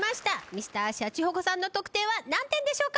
Ｍｒ．シャチホコさんの得点は何点でしょうか？